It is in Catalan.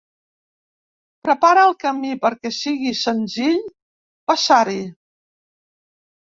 Prepara el camí perquè sigui senzill passar-hi.